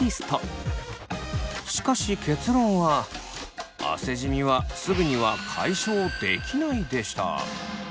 しかし結論は汗じみは「すぐには解消できない」でした。